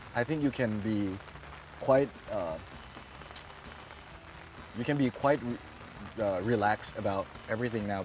คุณต้องเป็นผู้งาน